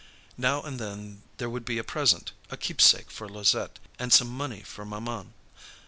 Now and then there would be a present, a keepsake for Louisette, and some money for maman.